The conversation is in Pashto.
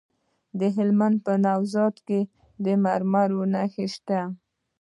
د هلمند په نوزاد کې د مرمرو نښې شته.